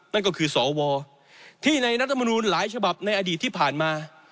นั่นก็คือสวที่ในรัฐมนูลหลายฉบับในอดีตที่ผ่านมา